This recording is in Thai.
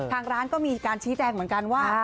ทางร้านก็มีการชี้แจงเหมือนกันว่า